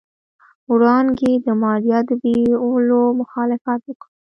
وړانګې د ماريا د بيولو مخالفت وکړ.